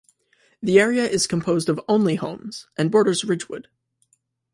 The area is composed of only homes and borders Ridgewood.